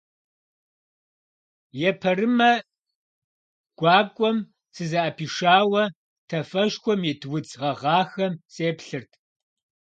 Епэрымэ гуакӏуэм сызыӏэпишауэ тафэшхуэм ит удз гъэгъахэм сеплъырт.